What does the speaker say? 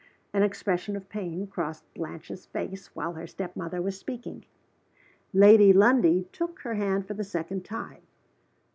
An expression of pain crossed Blanche's face while her step mother was speaking. Lady Lundie took her hand for the second time.